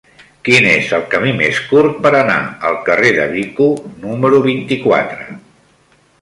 Quin és el camí més curt per anar al carrer de Vico número vint-i-quatre?